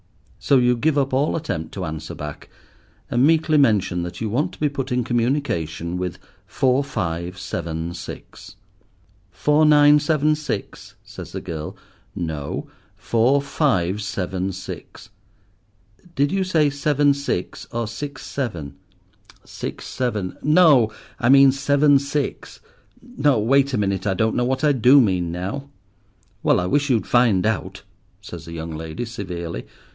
So you give up all attempt to answer back, and meekly mention that you want to be put in communication with four five seven six. "Four nine seven six?" says the girl. "No; four five seven six." "Did you say seven six or six seven?" "Six seven—no! I mean seven six: no—wait a minute. I don't know what I do mean now." "Well, I wish you'd find out," says the young lady severely.